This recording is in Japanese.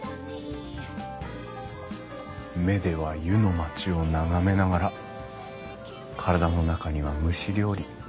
目では湯の町を眺めながら体の中には蒸し料理。